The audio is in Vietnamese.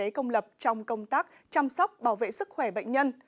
hành nghề công lập trong công tác chăm sóc bảo vệ sức khỏe bệnh nhân